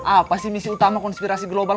apa sih misi utama konspirasi global